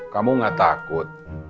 kamu gak takut